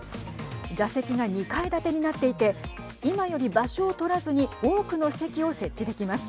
座席が２階建てになっていて今より場所を取らずに多くの席を設置できます。